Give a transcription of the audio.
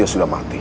yang datang terus